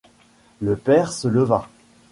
Le père se leva.